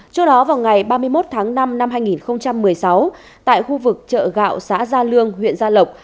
trước đó vào ngày ba mươi một tháng năm năm hai nghìn một mươi sáu tại khu vực chợ gạo xã gia lương huyện gia lộc